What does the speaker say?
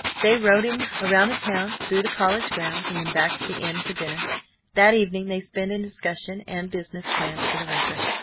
They rode him around the town, through the college grounds, and then back to the inn for dinner. That evening they spent in discussion and business plans for the winter.